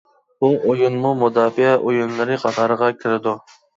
بۇ ئويۇنمۇ مۇداپىئە ئويۇنلىرى قاتارىغا كىرىدۇ.